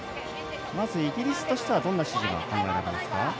まずイギリスとしてはどんな指示が考えられますか。